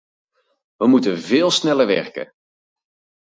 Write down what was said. We moeten veel sneller werken.